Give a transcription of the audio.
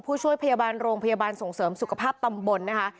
ผู้ช่วยพยาบาลโรงพยาบาลส่งเสริมสุขภาพตำบลนะคะ